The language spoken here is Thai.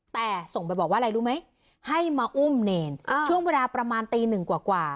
แต่ส่งไปบอกว่าอะไรรู้ไหมให้มาอุ้มเนรช่วงเวลาประมาณตีหนึ่งกว่า